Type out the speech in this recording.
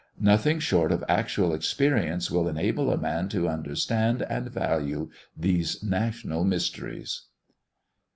Nothing short of actual experience will enable a man to understand and value these national mysteries.